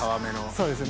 そうですね。